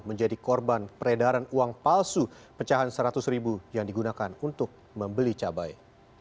menjadi korban peredaran uang palsu pecahan seratus ribu yang digunakan untuk membeli cabai